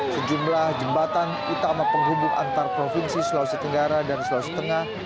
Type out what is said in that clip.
sejumlah jembatan utama penghubung antar provinsi sulawesi tenggara dan sulawesi tengah